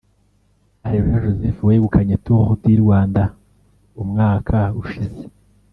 Areruya Joseph wegukanye Tour du Rwanda umwaka ushize